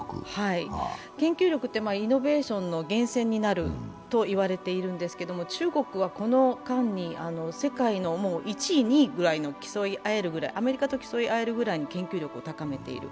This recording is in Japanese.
研究力ってイノベーションの源泉になると言われているんですけれども、中国は、この間に世界の１位、２位ぐらいの、アメリカと競い合えるぐらいの研究力を高めている。